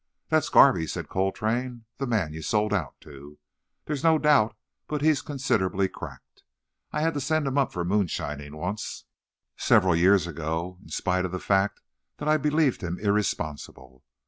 "That's Garvey," said Coltrane; "the man you sold out to. There's no doubt but he's considerably cracked. I had to send him up for moonshining once, several years ago, in spite of the fact that I believed him irresponsible.